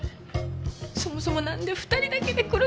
そもそもなんで２人だけで来るかな。